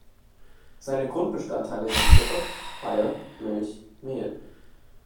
Seine Grundbestandteile sind Zucker, Eier, Milch, Mehl.